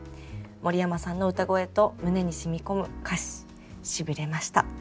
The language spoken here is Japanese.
森山さんの歌声と胸にしみ込む歌詞しびれました」とのことです。